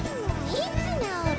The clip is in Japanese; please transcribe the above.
いつなおるの？